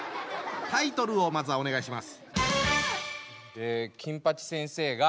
タイトルをまずはお願いします。